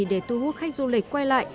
để thu hút khách du lịch quay lại